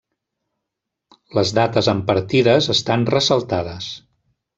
Les dates amb partides estan ressaltades.